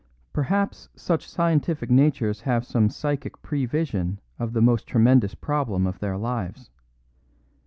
Perhaps such scientific natures have some psychic prevision of the most tremendous problem of their lives.